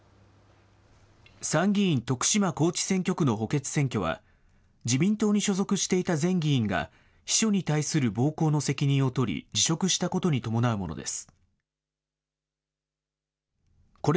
参議院徳島高知選挙区の補欠選挙は、自民党に所属していた前議員が、秘書に対する暴行の責任を取り、辞職したことに伴うものです。